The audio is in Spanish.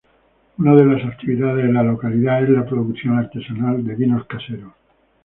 Una de las actividades de la localidad es la producción artesanal de vinos caseros.